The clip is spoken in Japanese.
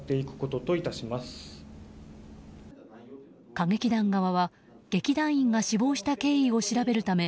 歌劇団側は、劇団員が死亡した経緯を調べるため